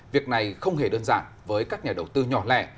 việc này không hề đơn giản với các nhà đầu tư nhỏ lẻ